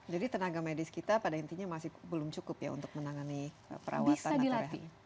jadi tenaga medis kita pada intinya masih belum cukup ya untuk menangani perawatan